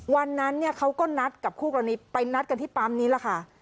วันนั้นเนี่ยเขาก็นัดกับคู่กรณีไปนัดกันที่ปั๊มนี้แหละค่ะ